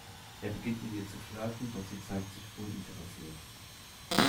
Er beginnt mit ihr zu flirten, doch sie zeigt sich uninteressiert.